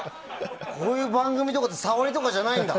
こういう番組とかってさわりとかじゃないんだ。